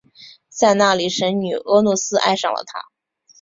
在那里神女俄诺斯爱上了他。